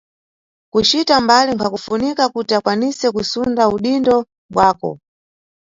Kucita mbali nkhwakufunika kuti ukwanise kusunda udindo bwako.